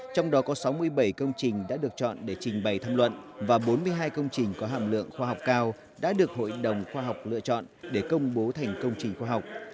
trong đó có sáu mươi bảy công trình đã được chọn để trình bày tham luận và bốn mươi hai công trình có hàm lượng khoa học cao đã được hội đồng khoa học lựa chọn để công bố thành công trình khoa học